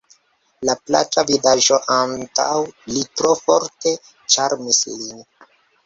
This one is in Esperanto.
La plaĉa vidaĵo antaŭ li tro forte ĉarmis lin.